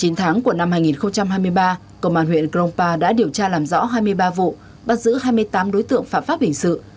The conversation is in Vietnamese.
trong tháng của năm hai nghìn hai mươi ba công an huyện krongpa đã điều tra làm rõ hai mươi ba vụ bắt giữ hai mươi tám đối tượng phạm pháp hình sự